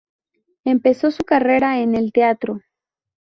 Empezó su carrera en el teatro.